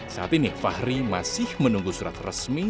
saat ini fahri masih menunggu surat resmi